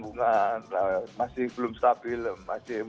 pak wawan selamat malam